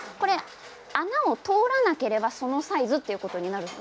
穴を通らなければそのサイズということになるんです。